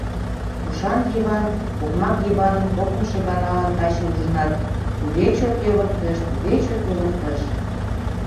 Ушан Йыван окмак Йываным кокымшо ганалан таче ужынат, туге чот йывыртыш, туге чот йывыртыш...